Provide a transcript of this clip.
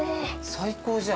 最高じゃん。